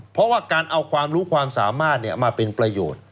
เพราะว่าการเอาความรู้ความสามารถมาเป็นประโยชน์